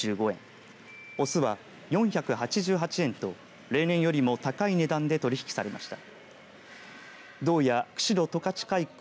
雄は４８８円と例年よりも高い値段で取り引きされました。